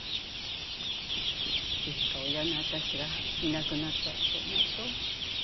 いつか親の私がいなくなったらと思うと。